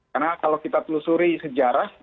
karena kalau kita telusuri sejarah